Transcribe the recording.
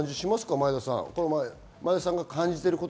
前田さん。